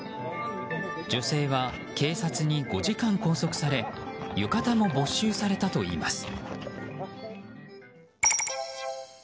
女性は警察に５時間拘束され浴衣も没収されたといいます。